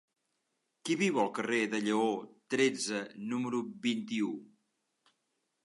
Qui viu al carrer de Lleó tretze número vint-i-u?